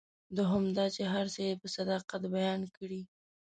دوهم دا چې هر څه یې په صداقت بیان کړي.